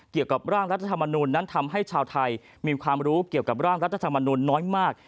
เกี่ยวกับร่างรัฐธรรมนูลนั้นทำให้ชาวไทยมีความรู้เกี่ยวกับร่างรัฐธรรมนุนน้อยมาก